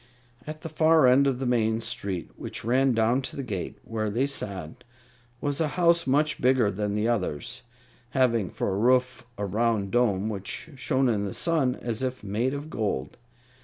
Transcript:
At the far end of the main street, which ran down to the gate where they sat, was a house much bigger than the others, having for a roof a round dome which shone in the sun as if made of gold.